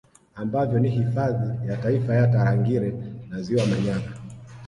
Ambavyo ni Hifadhi ya Taifa ya Tarangire na Ziwa Manyara